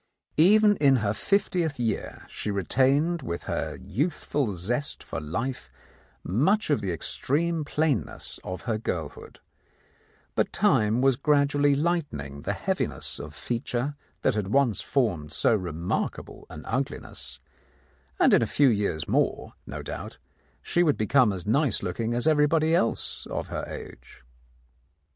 Even in her fiftieth year she retained with her youthful zest for life much of the extreme plainness of her girlhood, but time was gradually lightening the heaviness of feature that had once formed so re markable an ugliness, and in a few years more, no doubt, she would become as nice looking as everybody else of her age.